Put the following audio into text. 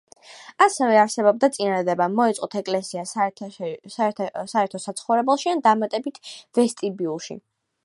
ასევე არსებობდა წინადადება მოეწყოთ ეკლესია საერთო საცხოვრებელში ან დამატებით ვესტიბიულში.